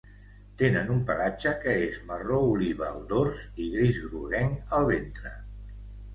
Tenen un pelatge que és marró oliva al dors i gris groguenc al ventre.